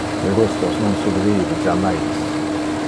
Le russos non surride jammais.